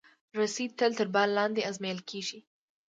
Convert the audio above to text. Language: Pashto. رسۍ تل تر بار لاندې ازمېیل کېږي.